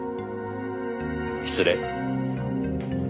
失礼。